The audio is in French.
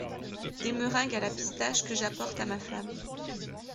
Des meringues à la pistache que j’apporte à ma femme…